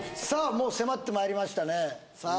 もう迫ってまいりましたねさあ